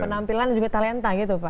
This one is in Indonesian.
penampilan dan juga talenta gitu pak